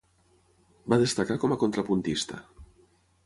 Va destacar com a contrapuntista.